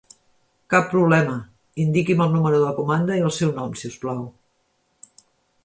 Cap problema, indiqui'm el número de comanda i el seu nom si us plau.